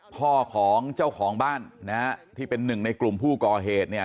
พ่อของเจ้าของบ้านนะฮะที่เป็นหนึ่งในกลุ่มผู้ก่อเหตุเนี่ย